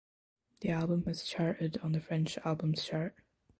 The album has charted on the French Albums Chart.